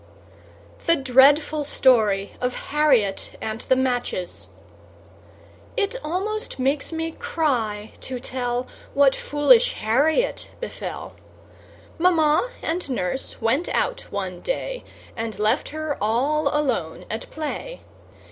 The Dreadful Story of Harriet and the Matches It almost makes me cry to tell What foolish Harriet befell. Mamma and Nurse went out one day And left her all alone at play.